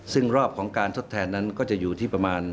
ซึ่งรอบของการทดแทนนั้นก็จะอยู่ที่ประมาณ